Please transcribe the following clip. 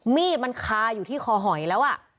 มีดมันคาอยู่ที่คอหอยแล้ว